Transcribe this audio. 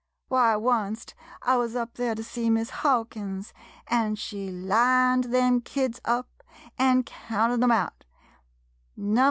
Why, oncet I wuz up there to see Miss Hawkins, an' she lined them kids up, an' counted 'em out — No.